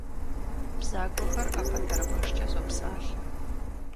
Бзагуэхэр ӏэпэтэрмэшкӏэ зопсалъэ.